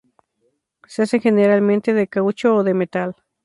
Se hacen generalmente de caucho o de metal.